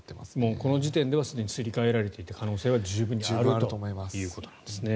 この時点ではすり替えられていた可能性は十分にあるということなんですね。